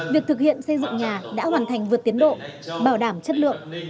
việc thực hiện xây dựng nhà đã hoàn thành vượt tiến độ bảo đảm chất lượng